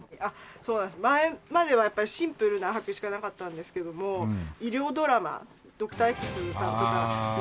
そうなんです前まではやっぱりシンプルな白衣しかなかったんですけども医療ドラマ『ＤｏｃｔｏｒーＸ』さんとかの影響で。